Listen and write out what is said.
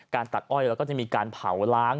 การตัดอ้อยเราก็จะมีการเผาล้าง